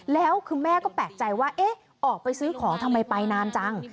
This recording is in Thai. แล้วคือแม่ก็แปลกใจว่าเอ๊ะออกไปซื้อของทำไมไปนานจัง